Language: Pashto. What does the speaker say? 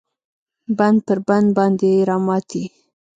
بند پر بند باندې راماتی